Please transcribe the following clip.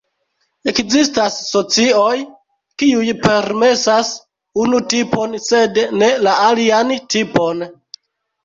Ekzistas socioj, kiuj permesas unu tipon, sed ne la alian tipon.